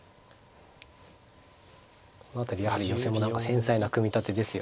この辺りやはり寄せも繊細な組み立てですよね。